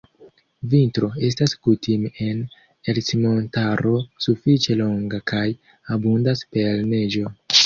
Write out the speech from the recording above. Vintro estas kutime en Ercmontaro sufiĉe longa kaj abundas per neĝo.